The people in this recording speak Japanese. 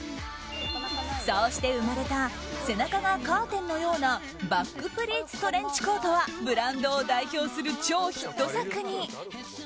そうして生まれた背中がカーテンのようなバックプリーツトレンチコートはブランドを代表する超ヒット作に。